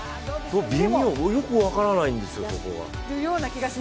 微妙、よく分からないんですよ。